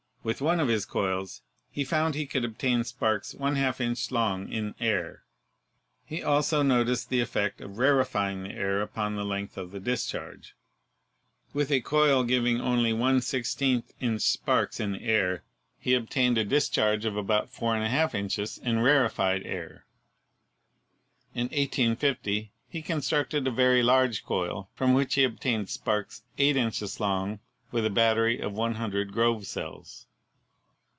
With one of his coils he found he could obtain sparks y 2 inch long in air. He also noticed the effect of rarefying the air upon the length of the dis charge. With a coil giving only Vie inch sparks in air, he obtained a discharge of about 4^2 inches in rarefied air. In 1850 he constructed a very large coil, from which he obtained sparks 8 inches long with a battery of 100 Grove cells.